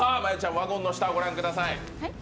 ワゴンの下をご覧ください。